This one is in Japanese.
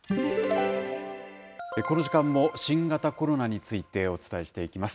この時間も新型コロナについてお伝えしていきます。